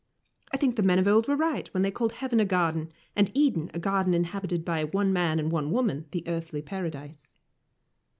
I think the men of old were right when they called heaven a garden, and Eden a garden inhabited by one man and one woman, the Earthly Paradise."